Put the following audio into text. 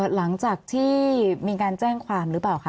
หลังจากที่มีการแจ้งความหรือเปล่าคะ